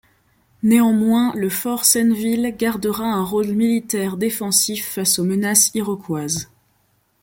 Néanmoins, le fort Senneville gardera un rôle militaire défensif face aux menaces iroquoises.